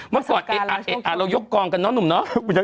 เมื่อก่อนเอกอาร์เรายกกองกันเนอะหนุ่มเนอะ